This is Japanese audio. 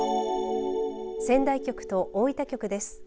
仙台局と大分局です。